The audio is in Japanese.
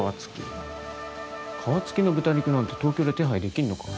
皮付きの豚肉なんて東京で手配できんのか？